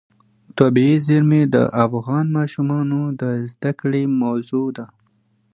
طبیعي زیرمې د افغان ماشومانو د زده کړې موضوع ده.